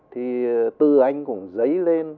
thì từ anh cũng lấy lên